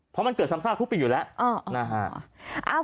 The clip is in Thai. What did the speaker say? เพราะมันเกิดสำคัญทุกปีอยู่แล้ว